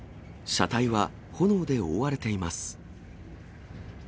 車体は炎で覆われています。